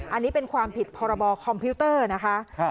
อันนี้เป็นความผิดพรบคอมพิวเตอร์นะคะ